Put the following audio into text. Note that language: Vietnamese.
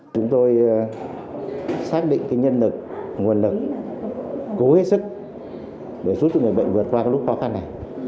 chúng tôi xác định nhân lực nguồn lực cố hết sức để giúp cho người bệnh vượt qua lúc khó khăn này